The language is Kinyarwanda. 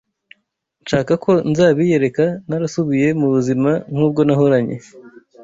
Nshaka ko nzabiyereka narasubiye mu buzima nk’ubwo nahoranye